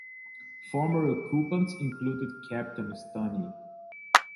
Former occupants included Captain Stoney.